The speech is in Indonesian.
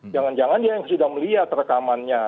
jangan jangan dia yang sudah melihat rekamannya